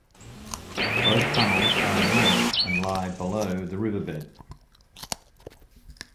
Both tunnels are in length, and lie below the river bed.